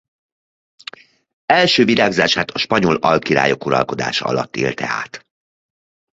Első virágzását a spanyol alkirályok uralkodása alatt élte át.